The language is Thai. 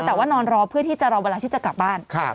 แต่ว่านอนรอเพื่อที่จะรอเวลาที่จะกลับบ้าน